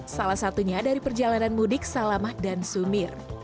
salah satunya dari perjalanan mudik salamah dan sumir